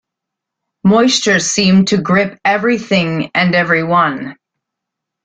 Moisture seemed to grip everything and everyone.